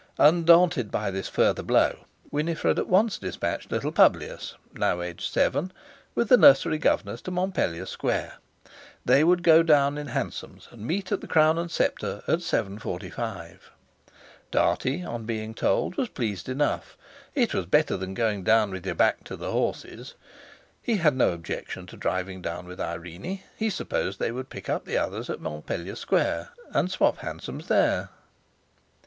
Undaunted by this further blow, Winifred at once despatched little Publius (now aged seven) with the nursery governess to Montpellier Square. They would go down in hansoms and meet at the Crown and Sceptre at 7.45. Dartie, on being told, was pleased enough. It was better than going down with your back to the horses! He had no objection to driving down with Irene. He supposed they would pick up the others at Montpellier Square, and swop hansoms there?